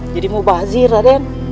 jadi mau bazir aden